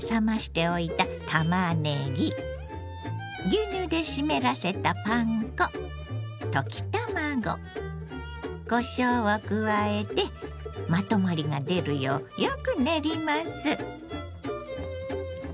牛乳で湿らせたパン粉溶き卵こしょうを加えてまとまりが出るようよく練ります。